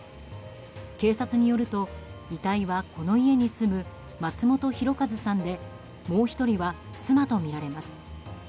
警察によると、遺体はこの家に住む松本博和さんでもう１人は妻とみられます。